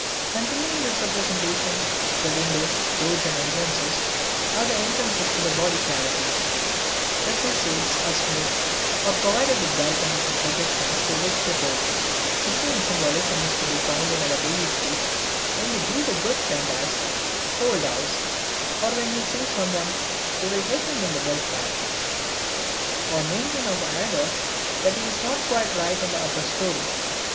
Continuing this representation, the windows, doors and entrances are the entrances into the body cavities, the facades are smooth or provided with balconies and projections to which to hold. The same symbolism is to be found in our daily speech when we greet a good friend as "old house" or when we say of someone, "We'll hit him in the belfry," or maintain of another that he's not quite right in the upper story.